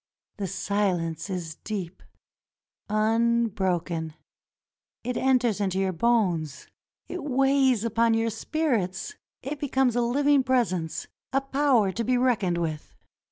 The silence is deep — unbroken. It enters into your bones; it weighs upon your spirits; it becomes a living presence, a power to be reckoned with.